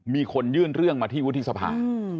มีคนยื่นเรื่องมาที่วุฒิสภา